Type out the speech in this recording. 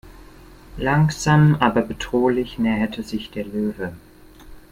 Langsam aber bedrohlich näherte sich der Löwe.